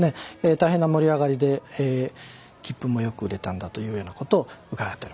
大変な盛り上がりで切符もよく売れたんだというようなことを伺っております。